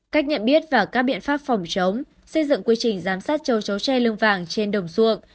cách nhận biết và các biện pháp phòng chống xây dựng quy trình giám sát châu chấu tre lương vàng trên đồng ruộng